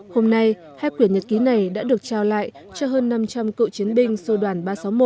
hôm nay hai quyển nhật ký này đã được trao lại cho hơn năm trăm linh cựu chiến binh sư đoàn ba trăm sáu mươi một